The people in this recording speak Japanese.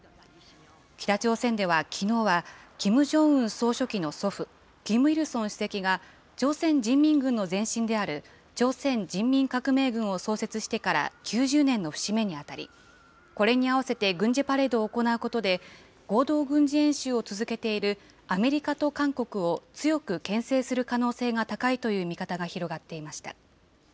北朝鮮ではきのうは、キム・ジョンウン総書記の祖父、キム・イルソン主席が朝鮮人民軍の前身である朝鮮人民革命軍を創設してから９０年の節目に当たり、これに合わせて軍事パレードを行うことで、合同軍事演習を続けているアメリカと韓国を強くけん制する可能性が高いという見方が広がっていました。